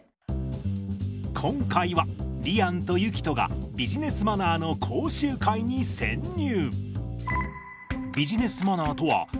今回はりあんとゆきとがビジネスマナーの講習会に潜入。